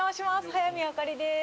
早見あかりです。